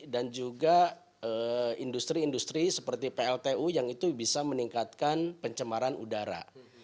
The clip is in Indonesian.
dan juga industri industri seperti pltu yang itu bisa meningkatkan pencemaran udara